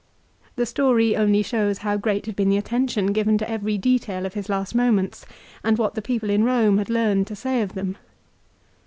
The story only shows how great had been the attention given to every detail of his last moments, and what the people in Eome had learned to say of them.